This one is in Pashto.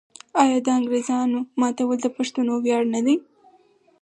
آیا د انګریزامو ماتول د پښتنو ویاړ نه دی؟